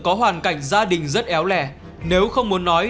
có hoàn cảnh gia đình rất éo lé nếu không muốn nói